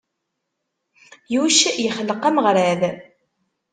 Yuc yexleq ameɣrad.